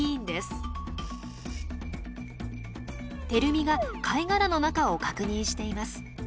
てる美が貝殻の中を確認しています。